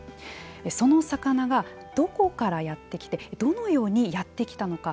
その魚がどこからやってきてどのようにやってきたのか。